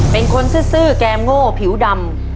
เป็นคนซื่อแกมโง่ผิวดำ